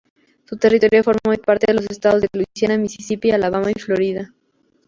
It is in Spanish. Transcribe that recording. Su territorio forma hoy parte de los Estados de Luisiana, Misisipi, Alabama y Florida.